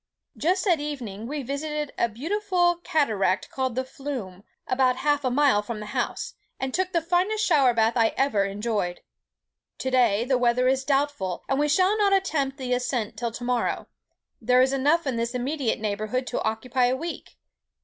Just at evening we visited a beautiful cataract called the Flume, about half a mile from the house, and took the finest shower bath I ever enjoyed. To day the weather is doubtful, and we shall not attempt the ascent till to morrow. There is enough in this immediate neighbourhood to occupy a week.